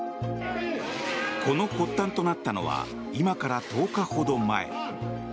この発端となったのは今から１０日ほど前。